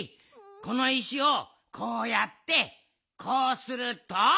この石をこうやってこうすると。